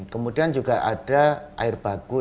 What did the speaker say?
kemudian juga ada air baku